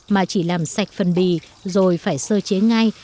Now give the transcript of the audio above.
mà chỉ làm sạch phần bì rồi phải sơ chế ngay